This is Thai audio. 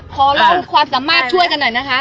ลองความสามารถช่วยกันหน่อยนะคะ